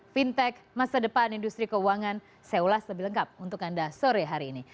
fintech masa depan industri keuangan saya ulas lebih lengkap untuk anda sore hari ini